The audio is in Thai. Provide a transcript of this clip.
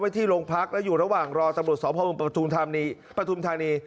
ไว้ที่โรงพักษณ์แล้วอยู่ระหว่างรอตำรวจสอบภาคมุมประทุมธรรมนี